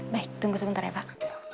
baik tunggu sebentar ya pak